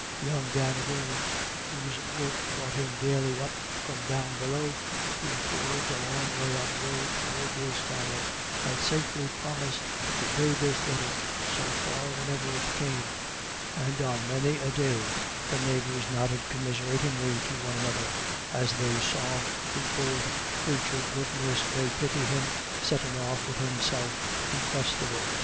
Young Dan O'Beirne, whose work brought him daily up from down below to the forge a long way on the road toward Lisconnel, had safely promised to convey this letter so far whenever it came; and on many a day the neighbours nodded commiseratingly to one another as they saw "the ould crathur, goodness may pity him, settin' off wid himself" in quest of it.